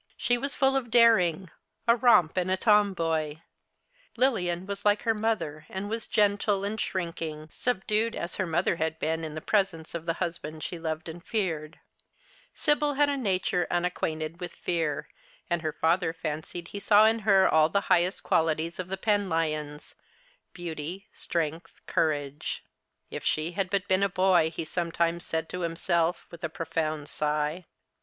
She w^as full of daring, a romp, and a tomboy. Lilian was like her mother, and was gentle, and shrinking, and WAS FULL OF DARING, A ROM!', ANU A TOMlluV. The Christmas Hirelings. 45 subdued as her mother had l»eeu in the presence of the husband she hived and feared. Sibyl had a nature unacquainted with fear ; and her father fancied he saw in her all the highest qualities of the Penlyons — beauty, strength, courage. '• If she had Init been a boy," he sometimes said to himself, with a profound sigh.